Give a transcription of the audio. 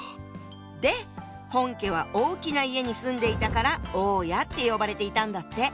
で本家は大きな家に住んでいたから「大家」って呼ばれていたんだって。